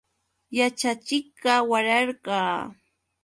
Yaćhachiqqa wararqa.